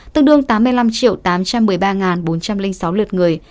tương đương tám mươi năm tám trăm một mươi ba bốn trăm linh sáu lượt người